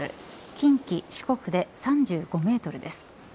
近畿、四国で３５メートルです。